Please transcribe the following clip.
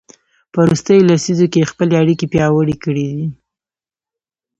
په وروستیو لسیزو کې یې خپلې اړیکې پیاوړې کړي دي.